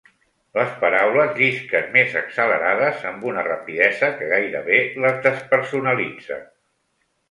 Les paraules llisquen més accelerades, amb una rapidesa que gairebé les despersonalitza.